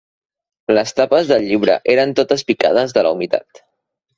Les tapes del llibre eren totes picades de la humitat.